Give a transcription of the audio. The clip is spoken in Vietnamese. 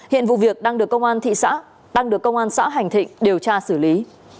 hiện vụ việc đang được công an xã hành thịnh điều tra xử lý